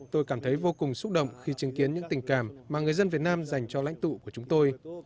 tôi cảm thấy vô cùng xúc động khi chứng kiến những tình cảm mà người dân việt nam dành cho lãnh tụ của chúng tôi